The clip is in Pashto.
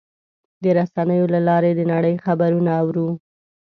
د رسنیو له لارې د نړۍ خبرونه اورو.